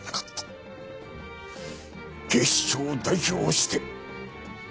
警視庁を代表して。